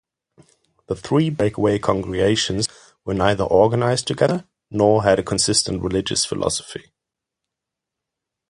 The three breakaway congregations were neither organised together nor had a consistent religious philosophy.